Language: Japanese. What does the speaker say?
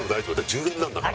１０円なんだから。